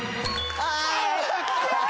ああ！